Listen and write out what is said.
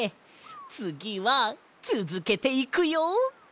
つぎはつづけていくよ！